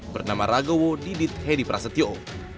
bernama ragowo didit hedi prasetyo